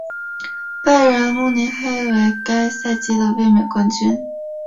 拜仁慕尼黑为该赛季的卫冕冠军。